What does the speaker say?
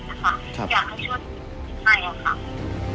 อยากให้ช่วยให้ค่ะ